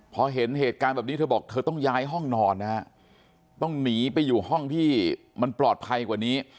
พอเห็นเหตุการณ์แบบนี้เธอบอกเธอต้องย้ายห้องนอนนะฮะต้องหนีไปอยู่ห้องที่มันปลอดภัยกว่านี้